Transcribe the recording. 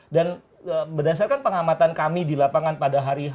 dan berdasarkan pengamatan kami di lapangan pemerintah kita tahu bahwa